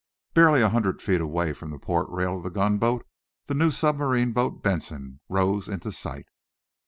Barely a hundred feet away from the port rail of the gunboat the new submarine boat, "Benson," rose into sight.